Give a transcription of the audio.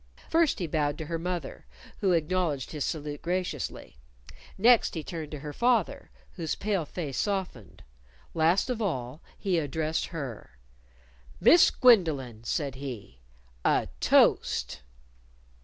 First he bowed to her mother, who acknowledged his salute graciously; next he turned to her father, whose pale face softened; last of all, he addressed her: "Miss Gwendolyn," said he, "a toast!"